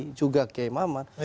dan juga kiai mamat